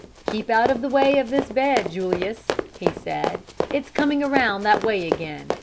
"Keep out of the way of this bed, Julius," he said. "It is coming around that way again.